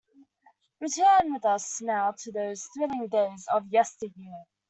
Return with us now to those thrilling days of yesteryear!